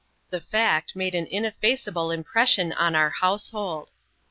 The fact made an ineffaceable impression on our household.